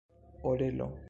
orelo